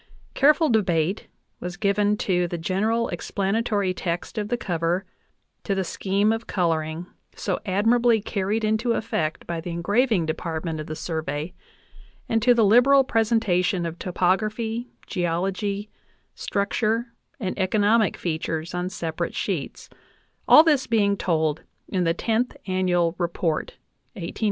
careful debate was given to the general explanatory text of the cover, to the scheme of coloring, so admirably carried into effect by the engraving department of the Survey, and to the liberal presentation of topography, geology, structure, and economic features on separate sheets, all this being told in the Tenth Annual Report (1888 1889).